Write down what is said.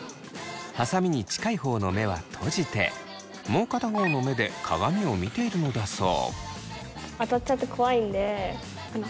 はさみに近い方の目は閉じてもう片方の目で鏡を見ているのだそう。